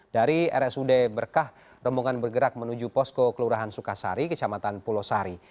dari rsud berkah rombongan bergerak menuju posko kelurahan sukasari kecamatan pulau sari